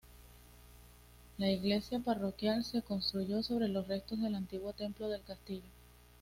La iglesia parroquial se construyó sobre los restos del antiguo templo del castillo.